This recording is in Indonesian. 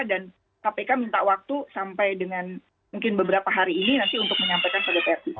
dan kpk minta waktu sampai dengan mungkin beberapa hari ini nanti untuk menyampaikan pada prc